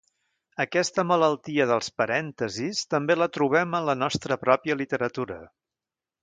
Aquesta malaltia dels parèntesis també la trobem en la nostra pròpia literatura.